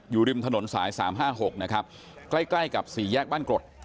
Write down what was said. ดึมถนนสาย๓๕๖ใกล้กับสี่แยกบ้านกรด